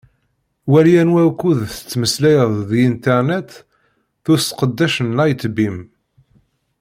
Wali anwa ukud i tettmeslayeḍ di Internet s useqdec n Lightbeam.